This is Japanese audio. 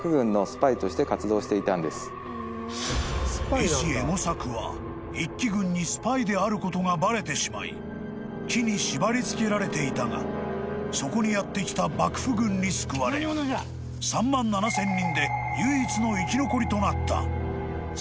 ［絵師右衛門作は一揆軍にスパイであることがバレてしまい木に縛り付けられていたがそこにやって来た幕府軍に救われ３万７，０００人で］